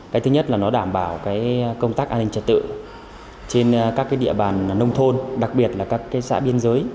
cái thứ nhất là nó đảm bảo công tác an ninh trật tự trên các địa bàn nông thôn đặc biệt là các xã biên giới